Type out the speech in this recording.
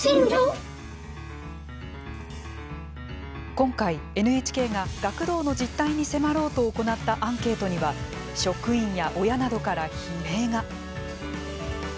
今回、ＮＨＫが学童の実態に迫ろうと行ったアンケートには職員や親などから悲鳴が。